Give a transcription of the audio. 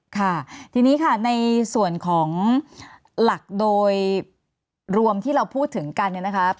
ค่ะทีนี้ค่ะในส่วนของหลักโดยรวมที่เราพูดถึงกันเนี่ยนะคะ